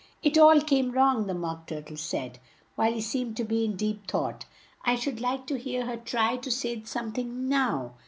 "It all came wrong!" the Mock Tur tle said, while he seemed to be in deep thought. "I should like to hear her try to say some thing now.